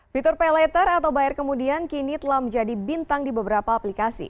fitur pay later atau bayar kemudian kini telah menjadi bintang di beberapa aplikasi